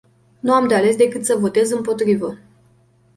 Nu am de ales decât să votez împotrivă.